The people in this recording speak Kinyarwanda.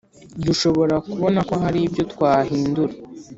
dushobora kubona ko hari ibyo twahindura